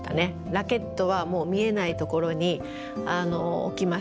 ラケットはもう見えないところに置きましたし。